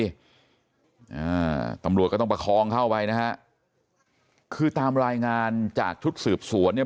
อ่าตำรวจก็ต้องประคองเข้าไปนะฮะคือตามรายงานจากชุดสืบสวนเนี่ย